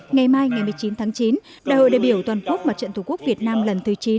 ngày mai ngày một mươi chín tháng chín đại hội đại biểu toàn quốc mặt trận tổ quốc việt nam lần thứ chín